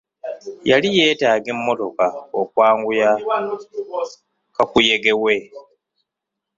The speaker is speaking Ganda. Yali yeetaaga emmotoka okwanguya kakuyege we.